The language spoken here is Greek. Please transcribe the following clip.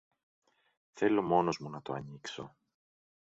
Θέλω μόνος μου να το ανοίξω.